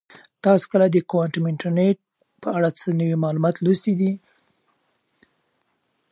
تاسو کله د کوانټم انټرنیټ په اړه څه نوي معلومات لوستي دي؟